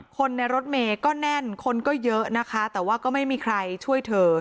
คนในรถเมย์ก็แน่นคนก็เยอะนะคะแต่ว่าก็ไม่มีใครช่วยเธอ